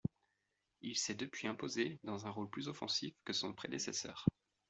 Il s’est depuis imposé dans un rôle plus offensif que son prédécesseur.